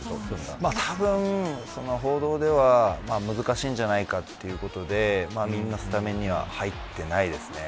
たぶん、報道では難しいんじゃないかということでみんなスタメンには入っていないですね。